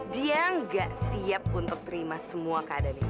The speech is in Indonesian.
dia nggak siap untuk terima semua keadaan itu